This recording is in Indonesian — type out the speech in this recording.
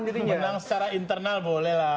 menang secara internal boleh lah